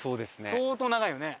相当長いよね。